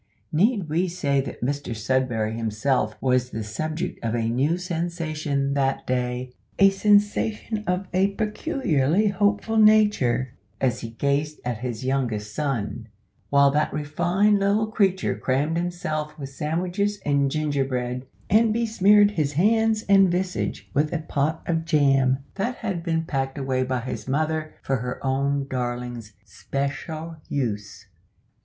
Need we say that Mr Sudberry himself was the subject of a new sensation that day, a sensation of a peculiarly hopeful nature, as he gazed at his youngest son; while that refined little creature crammed himself with sandwiches and ginger bread, and besmeared his hands and visage with a pot of jam, that had been packed away by his mother for her own darling's special use?